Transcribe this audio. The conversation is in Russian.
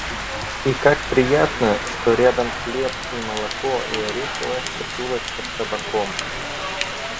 И как приятно, что рядом хлеб, и молоко и ореховая шкатулочка с табаком!